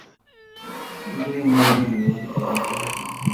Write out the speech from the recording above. Centurión Miranda, en el Barrio Carmelitas, Asunción.